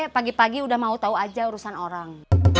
pagi pagi udah mau tahu aja urusan orang